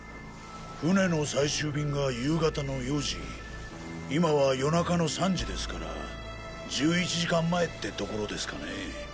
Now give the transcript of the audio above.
船の最終便が夕方の４時今は夜中の３時ですから１１時間前ってところですかね。